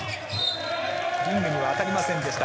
リングには当たりませんでした。